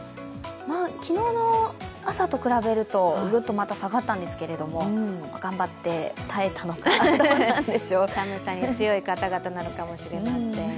昨日の朝と比べるとぐっとまた下がったんですけれども頑張って耐えたのかな寒さに強い方々なのかもしれません。